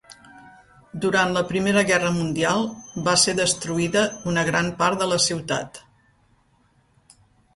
Durant la Primera Guerra Mundial va ser destruïda una gran part de la ciutat.